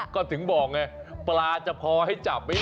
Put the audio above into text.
ก็ถึงบอกไงปลาจะพอให้จับไม่ได้